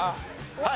はい。